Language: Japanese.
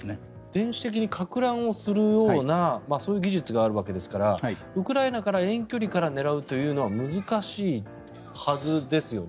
電子的にかく乱をするようなそういう技術があるわけですからウクライナから、遠距離から狙うというのは難しいはずですよね？